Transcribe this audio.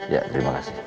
ya terima kasih